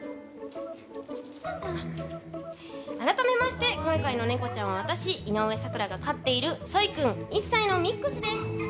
改めまして今回のネコちゃんは私、井上咲楽が飼っているソイ君、１歳のミックスです。